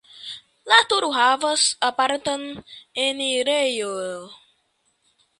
La turo havas apartan enirejon.